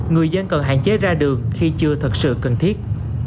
người dân cần hạn chế ra đường khi chưa thật sự cần thiết